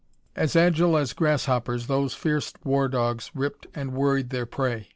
As agile as grasshoppers, those fierce war dogs ripped and worried their prey.